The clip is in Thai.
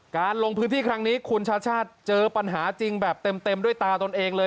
ลงพื้นที่ครั้งนี้คุณชาติชาติเจอปัญหาจริงแบบเต็มด้วยตาตนเองเลย